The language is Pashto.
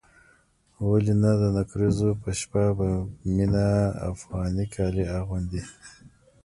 ولې نه د نکريزو په شپه به مينه افغاني کالي اغوندي.